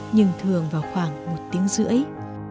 nhưng thường vào khoảng một tiếng rưỡi